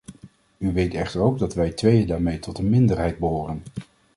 U weet echter ook dat wij tweeën daarmee tot een minderheid behoren.